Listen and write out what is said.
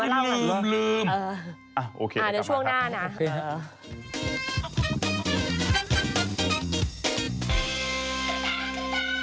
อ่ะโอเคครับครับครับโอเคครับ